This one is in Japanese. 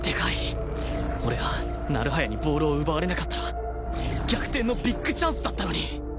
俺が成早にボールを奪われなかったら逆転のビッグチャンスだったのに